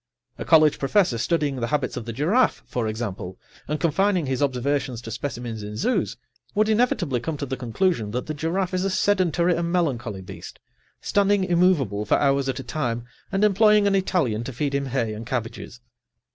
A college professor studying the habits of the giraffe, for example, and confining his observations to specimens in zoos, would inevitably come to the conclusion that the giraffe is a sedentary and melancholy beast, standing immovable for hours at a time and employing an Italian to feed him hay and cabbages.